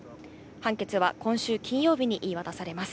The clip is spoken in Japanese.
判決は今週金曜日に言い渡されます。